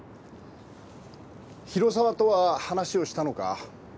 広澤とは話をしたのか？